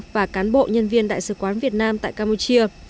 và cán bộ nhân viên đại sứ quán việt nam tại campuchia